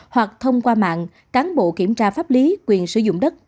hoặc thông qua mạng cán bộ kiểm tra pháp lý quyền sử dụng đất